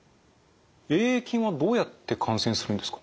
Ａ．ａ．菌はどうやって感染するんですか？